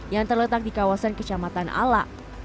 yang terletak di kawasan kecamatan ala